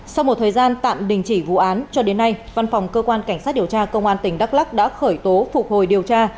sau một thời gian tạm đình chỉ vụ án cho đến nay văn phòng cơ quan cảnh sát điều tra công an tỉnh đắk lắc đã khởi tố phục hồi điều tra